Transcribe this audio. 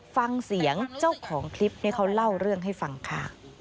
ฟังเสียงเจ้าของคลิปนี้เขาเล่าเรื่องให้ฟังค่ะ